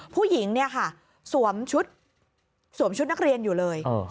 ผู้หญิงสวมชุดนักเรียนอยู่เลย